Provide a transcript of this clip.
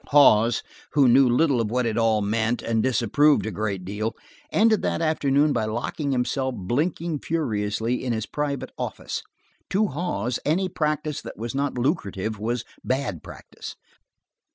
Hawes, who knew little of what it all meant, and disapproved a great deal, ended that afternoon by locking himself, blinking furiously, in his private office. To Hawes any practice that was not lucrative was bad practice.